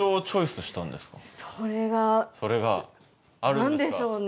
それが何でしょうね。